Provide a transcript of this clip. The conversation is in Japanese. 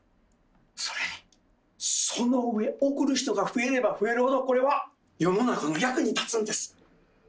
それにその上送る人が増えれば増えるほどこれは世の中の役に立つんです。